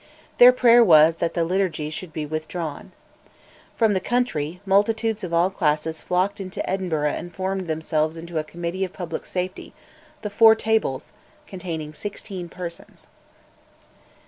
Their prayer was that the Liturgy should be withdrawn. From the country, multitudes of all classes flocked into Edinburgh and formed themselves into a committee of public safety, "The Four Tables," containing sixteen persons.